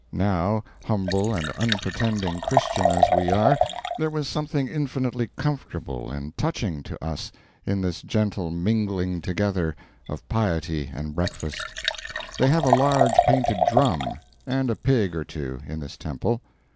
Now, humble and unpretending Christian as we are, there was something infinitely comfortable and touching to us in this gentle mingling together of piety and breakfast. They have a large painted drum, and a pig or two, in this temple.